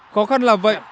khó khăn là vậy